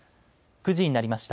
９時になりました。